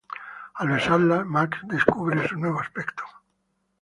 Al besarla, Max descubre su nuevo aspecto.